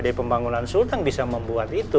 bahkan pd pembangunan sultan bisa membuat itu